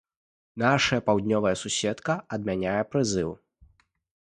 Нашая паўднёвая суседка адмяняе прызыў.